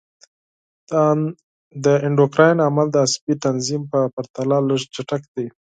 د اندوکراین عمل د عصبي تنظیم په پرتله لږ چټک دی.